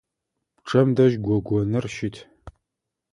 Пчъэм дэжь гогоныр щыт.